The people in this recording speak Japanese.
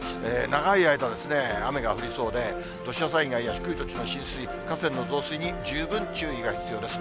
長い間、雨が降りそうで、土砂災害や低い土地の浸水、河川の増水に十分注意が必要です。